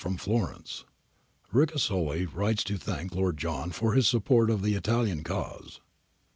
From Florence. Ricasoli writes to thank Lord John for his support of the Italian cause.